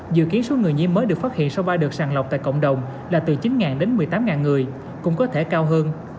dự kiến số người nhiễm mới được phát hiện sau ba đợt sàng lọc tại cộng đồng là từ chín đến một mươi tám người cũng có thể cao hơn